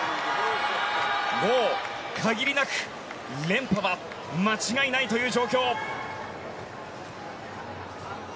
もう、限りなく連覇は間違いないという状況。